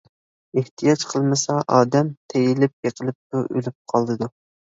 ئېھتىيات قىلمىسا ئادەم تېيىلىپ يىقىلىپمۇ ئۆلۈپ قالىدۇ.